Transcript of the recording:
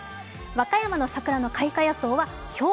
和歌山の桜の開花予想は今日。